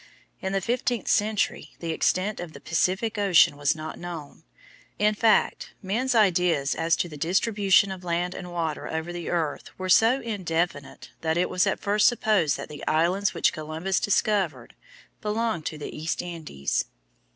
In the fifteenth century the extent of the Pacific ocean was not known. In fact, men's ideas as to the distribution of land and water over the earth were so indefinite that it was at first supposed that the islands which Columbus discovered belonged to the East Indies.